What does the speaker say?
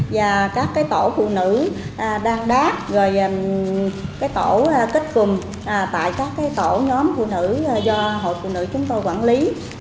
và các tổ phụ nữ đang đát rồi tổ kết cùng tại các tổ nhóm phụ nữ do hội phụ nữ chúng tôi quản lý